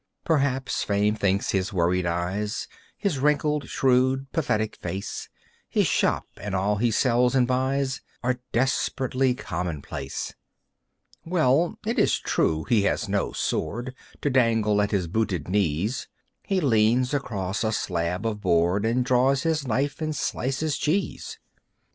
Perhaps Fame thinks his worried eyes, His wrinkled, shrewd, pathetic face, His shop, and all he sells and buys Are desperately commonplace. Well, it is true he has no sword To dangle at his booted knees. He leans across a slab of board, And draws his knife and slices cheese.